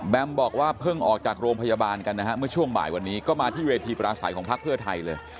บอกว่าเพิ่งออกจากโรงพยาบาลกันนะฮะเมื่อช่วงบ่ายวันนี้ก็มาที่เวทีปราศัยของพักเพื่อไทยเลย